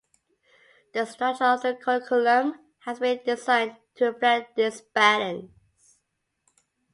The structure of the curriculum has been designed to reflect this balance.